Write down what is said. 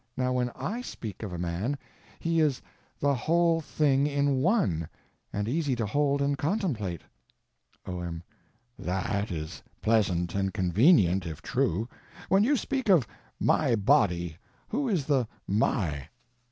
Now when I speak of a man, he is _the whole thing in one, _and easy to hold and contemplate. O.M. That is pleasant and convenient, if true. When you speak of "my body" who is the "my"?